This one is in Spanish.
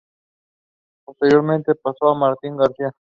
Posteriormente pasó a Martín García.